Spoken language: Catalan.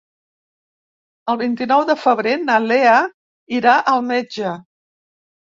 El vint-i-nou de febrer na Lea irà al metge.